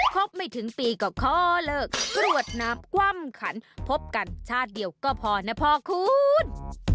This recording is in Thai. บไม่ถึงปีก็ขอเลิกกรวดน้ำคว่ำขันพบกันชาติเดียวก็พอนะพ่อคุณ